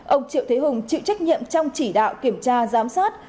ông triệu thế hùng chịu trách nhiệm trong chỉ đạo kiểm tra giám sát